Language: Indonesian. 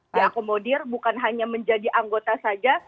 diakomodir bukan hanya menjadi anggota saja